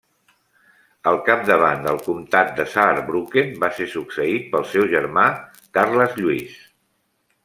Al capdavant del comtat de Saarbrücken va ser succeït pel seu germà Carles Lluís.